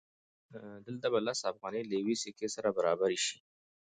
دلته به لس افغانۍ له یوې سکې سره برابرې شي